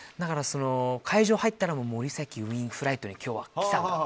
会場入ったら森崎ウィンフライトに今日は来たみたいな。